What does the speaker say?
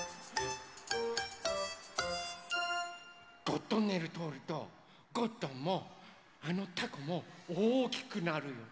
ゴットンネルとおるとゴットンもあのたこもおおきくなるの。